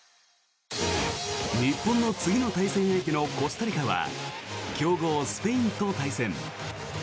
日本の次の対戦相手のコスタリカは強豪スペインと対戦。